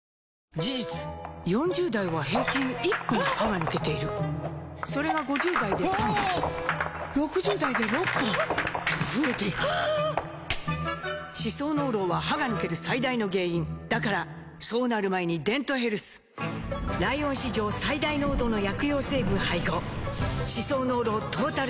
事実４０代は平均１本歯が抜けているそれが５０代で３本６０代で６本と増えていく歯槽膿漏は歯が抜ける最大の原因だからそうなる前に「デントヘルス」ライオン史上最大濃度の薬用成分配合歯槽膿漏トータルケア！